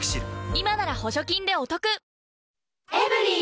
今なら補助金でお得